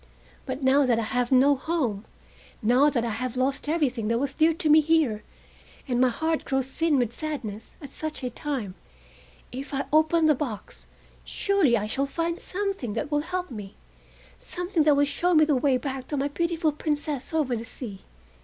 But now that I have no home, now that I have lost everything that was dear to me here, and my heart grows thin with sadness, at such a time, if I open the box, surely I shall find something that will help me, something that will show me the way back to my beautiful Princess over the sea.